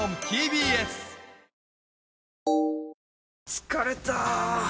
疲れた！